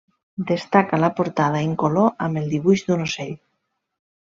Destaca la portada en color amb el dibuix d'un ocell.